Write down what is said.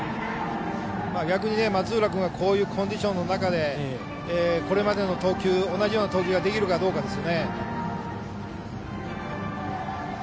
逆に松浦君がこういうコンディションの中でこれまでの投球同じような投球ができるかどうかですね。